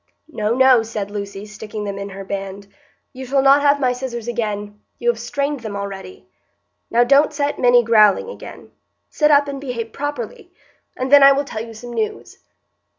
"No, no," said Lucy, sticking them in her band, "you shall not have my scissors again,—you have strained them already. Now don't set Minny growling again. Sit up and behave properly, and then I will tell you some news."